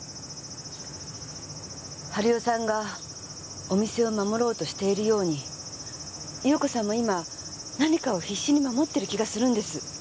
晴代さんがお店を守ろうとしているように優子さんも今何かを必死に守ってる気がするんです。